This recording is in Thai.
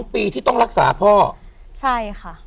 ปีที่ต้องรักษาพ่อใช่ค่ะ